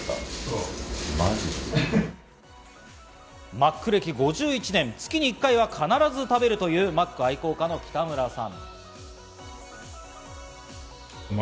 マック歴５１年、月に１回は必ず食べるというマック愛好家の北村さん。